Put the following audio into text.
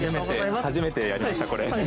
初めてやりました、これ。